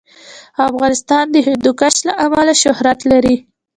افغانستان د هندوکش له امله شهرت لري.